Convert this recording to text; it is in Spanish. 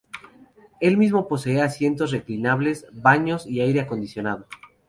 El mismo posee asientos reclinables, baños y aire acondicionado.